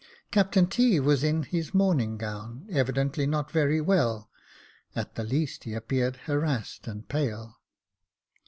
Captain T. was in his morning gown, evidently not very well, at least he appeared harassed and pale.